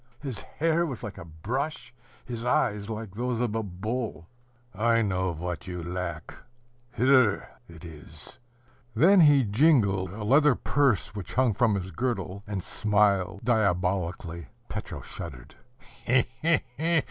His hair was like a brush, his eyes like those of a bull. "I know what you lack: here it is." Then he jingled a leather purse which hung from his girdle, and smiled diabolically. Petro shuddered.